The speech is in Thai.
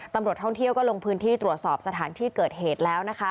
ตำรวจท่องเที่ยวก็ลงพื้นที่ตรวจสอบสถานที่เกิดเหตุแล้วนะคะ